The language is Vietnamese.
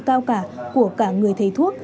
cao cả của cả người thầy thuốc